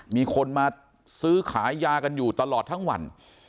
มีคนมาซื้อขายยากันอยู่ตลอดทั้งวัน